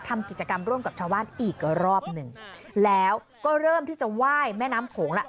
ทำกิจกรรมร่วมกับชาวบ้านอีกรอบหนึ่งแล้วก็เริ่มที่จะไหว้แม่น้ำโขงแล้ว